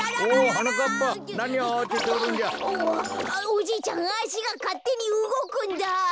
おじいちゃんあしがかってにうごくんだ。